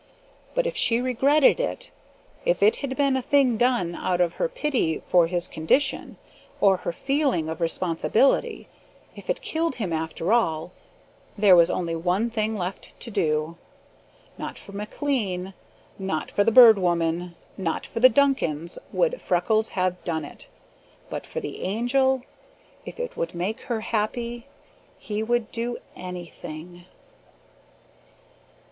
But if she regretted it if it had been a thing done out of her pity for his condition, or her feeling of responsibility, if it killed him after all, there was only one thing left to do. Not for McLean, not for the Bird Woman, not for the Duncans would Freckles have done it but for the Angel if it would make her happy he would do anything.